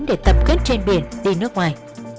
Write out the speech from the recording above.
để tập kết trên biển đi nước ngoài